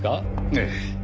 ええ。